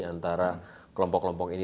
antara kelompok kelompok ini